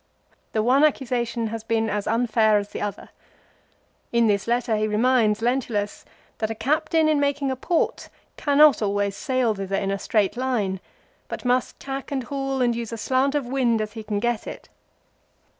The one accu sation has been as unfair as the other. In this letter he reminds Lentulus that a captain in making a port cannot always sail thither in a straight line, but must tack and haul and use a slant of wind as he can get it.